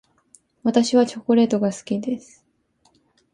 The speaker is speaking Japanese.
私はチョコレートが好きです。